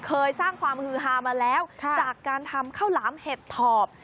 เคยสร้างความฮือฮามาแล้วจากการทำข้าวหลามเห็ดถอบ